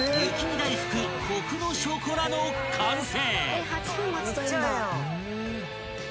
だいふくコクのショコラの完成］